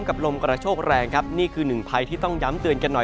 ลมกระโชคแรงครับนี่คือหนึ่งภัยที่ต้องย้ำเตือนกันหน่อย